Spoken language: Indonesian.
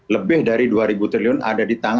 lebih dari rp dua triliun ada di tangga